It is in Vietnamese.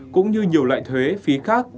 cũng như nhiều loại thuế phí khác